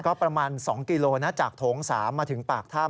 ก็ประมาณ๒กิโลนะจากโถง๓มาถึงปากถ้ำ